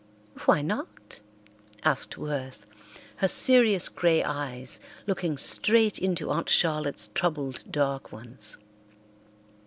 "Why not?" asked Worth, her serious grey eyes looking straight into Aunt Charlotte's troubled dark ones.